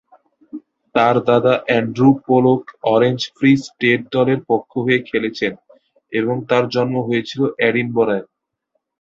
তার দাদা Andrew Pollock Orange Free State দলের পক্ষ হয়ে খেলেছেন এবং তার জন্ম হয়েছিল এডিনবরায়।